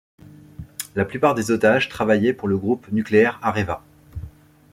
La plupart des otages travaillaient pour le groupe nucléaire Areva.